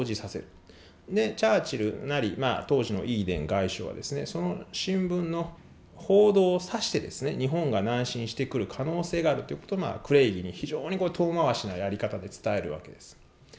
それでチャーチルなり当時のイーデン外相はその新聞の報道を指して日本が南進してくる可能性があるという事をクレイギーに非常に遠回しなやり方で伝える訳です。